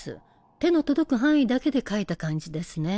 手の届く範囲だけで描いた感じですね。